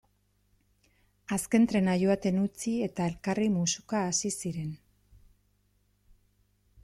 Azken trena joaten utzi eta elkarri musuka hasi ziren.